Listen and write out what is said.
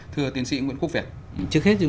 thưa tiến sĩ nguyễn quốc việt trước hết